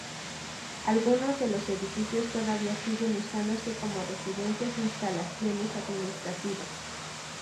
Algunos de los edificios todavía siguen usándose como residencias e instalaciones administrativas.